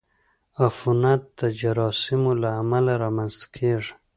عفونت د جراثیمو له امله رامنځته کېږي.